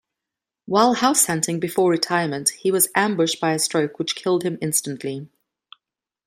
While house-hunting before retirement he was 'ambushed by a stroke which killed him instantly'.